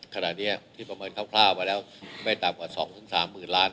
ขนาดเนี้ยที่ประมาณคร่าวคร่าวมาแล้วไม่ต่างกว่าสองถึงสามหมื่นล้าน